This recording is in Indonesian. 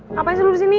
ngapain sih lo disini